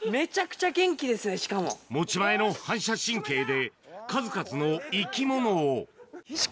持ち前の反射神経で、数々の生き物を。